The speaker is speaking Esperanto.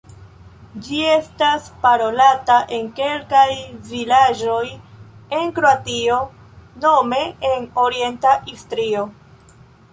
Ĝi estas parolata en kelkaj vilaĝoj en Kroatio nome en orienta Istrio.